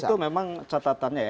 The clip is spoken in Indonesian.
itu memang catatannya ya